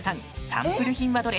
サンプル品はどれ？